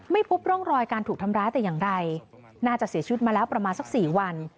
พบร่องรอยการถูกทำร้ายแต่อย่างไรน่าจะเสียชีวิตมาแล้วประมาณสัก๔วัน